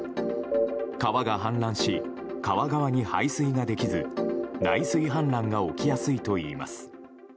川が氾濫し、川側に排水ができず内水氾濫が起きやすいといいます。